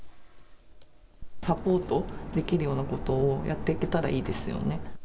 サポートできるようなことをやっていけたらいいですよね。